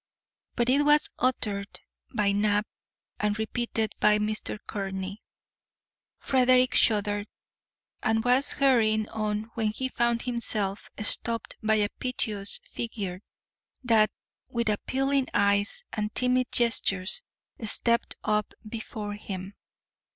But it was uttered by Knapp and repeated by Mr. Courtney. Frederick shuddered, and was hurrying on when he found himself stopped by a piteous figure that, with appealing eyes and timid gestures, stepped up before him.